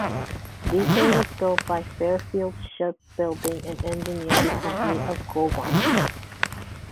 "Vigo" was built by Fairfield Shipbuilding and Engineering Company of Govan.